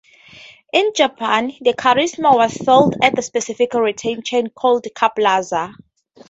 In Japan, the Carisma was sold at a specific retail chain called "Car Plaza".